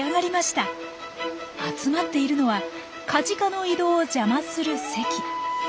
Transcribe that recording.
集まっているのはカジカの移動を邪魔する堰。